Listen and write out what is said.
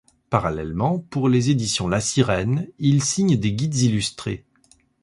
Parallèlement, pour les éditions La Sirène, il signe des guides illustrés.